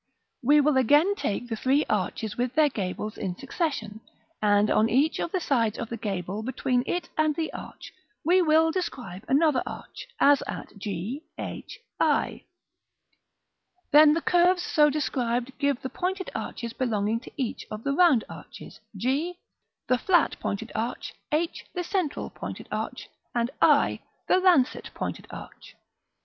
We will again take the three arches with their gables in succession, and on each of the sides of the gable, between it and the arch, we will describe another arch, as at g, h, i. Then the curves so described give the pointed arches belonging to each of the round arches; g, the flat pointed arch, h, the central pointed arch, and i, the lancet pointed arch.